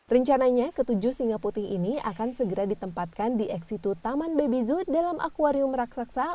rencananya ketujuh singa putih ini akan segera ditempatkan di eksitu taman baby zoo dalam akwarium raksasa